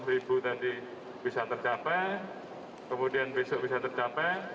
lima puluh ribu tadi bisa tercapai kemudian besok bisa tercapai